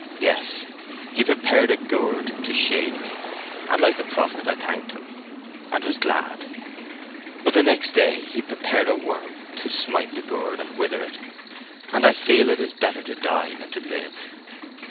Yes, He prepared a gourd to shade me, and like the prophet I thanked Him and was glad. But the next day He prepared a worm to smite the gourd and wither it; and I feel it is better to die than to live!"